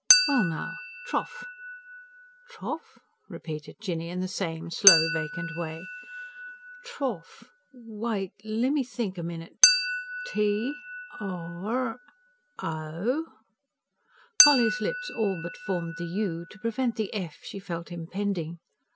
"Well, now, trough!" "Trough?" repeated Jinny, in the same slow, vacant way. "Trough? Wait, lemme think a minute. T r o...." Polly's lips all but formed the "u," to prevent the "f" she felt impending.